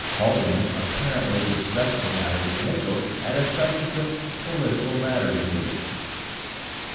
20 Haldeman apparently discussed the matter with Mitchell at a sub sequent "political matters" meeting.